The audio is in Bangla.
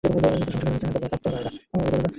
বিহারী মাঝে মাঝে আসিয়া অত্যন্ত গোল বাধাইয়া দিত।